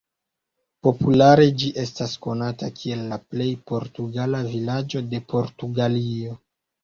Populare ĝi estas konata kiel la""plej portugala vilaĝo de Portugalio"".